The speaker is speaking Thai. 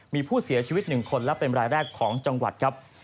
มีผู้เสียชีวิต๑คนและเป็นรายแรกของจังหวัดครับ